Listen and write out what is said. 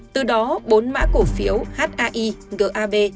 từ đó bốn mã cổ phiếu hai gab